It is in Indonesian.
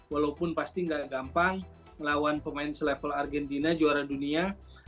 walaupun pasti gak gampang melawan pemain selevel argentina juara dunia